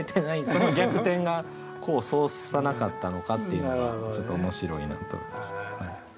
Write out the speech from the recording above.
その逆転が功を奏さなかったのかっていうのがちょっと面白いなと思いました。